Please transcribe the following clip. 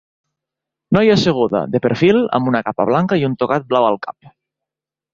Noia asseguda, de perfil, amb una capa blanca i un tocat blau al cap.